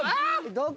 どこ？